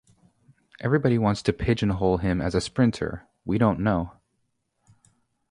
Everybody wants to pigeonhole him as a sprinter; we don't know.